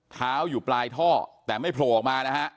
อยู่ปลายท่อแต่ไม่โผล่ออกมานะฮะ